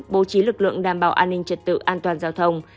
bố trí lực lượng đảm bảo an ninh trật tự an toàn giao thông